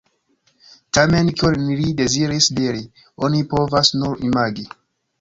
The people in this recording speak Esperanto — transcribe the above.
Tamen kion li deziris diri, oni povas nur imagi.